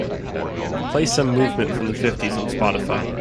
play some movement from the fifties on Spotify